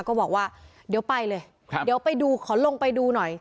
ก็บอกว่าเดี๋ยวไปเลยครับเดี๋ยวไปดูขอลงไปดูหน่อย